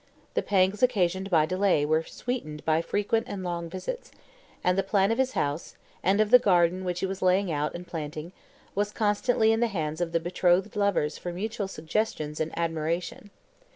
The pangs occasioned by delay were sweetened by frequent and long visits; and the plan of his house, and of the garden which he was laying out and planting, was constantly in the hands of the betrothed lovers for mutual suggestions and admiration.